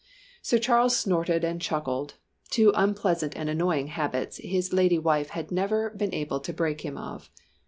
Sir Charles snorted and chuckled, two unpleasant and annoying habits his lady wife had never been able to break him of.